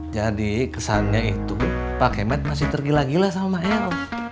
jadi kesannya itu pak kemet masih tergila gila sama eros